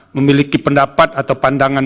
memiliki pendapat atau pandangan